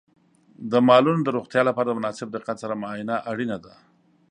د مالونو د روغتیا لپاره د مناسب دقت سره معاینه اړینه ده.